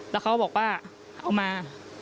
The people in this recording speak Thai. แล้วเขาก็บอกว่าเอามา